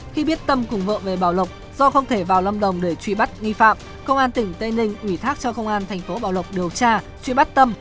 khi biết tâm cùng vợ về bảo lộc do không thể vào lâm đồng để truy bắt nghi phạm công an tỉnh tây ninh ủy thác cho công an thành phố bảo lộc điều tra truy bắt tâm